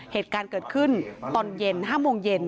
เหตุการณ์เกิดขึ้นตอนเย็น๕โมงเย็น